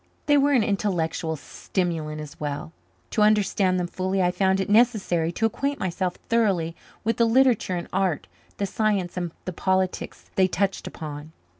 They were an intellectual stimulant as well. To understand them fully I found it necessary to acquaint myself thoroughly with the literature and art, the science and the politics they touched upon.